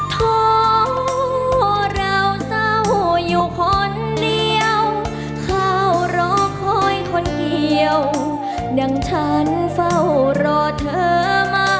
ท้อเราเศร้าอยู่คนเดียวเข้ารอคอยคนเกี่ยวดังฉันเฝ้ารอเธอมา